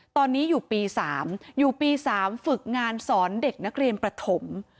ตอนนี้อยู่ปี๓อยู่ปี๓ฝึกงานสอนเด็กนักเรียนประถม